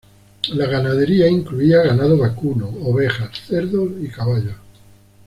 La ganadería incluía ganado vacuno, ovejas, cerdos y caballos.